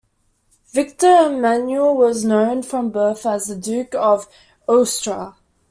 Victor Emmanuel was known from birth as the Duke of Aosta.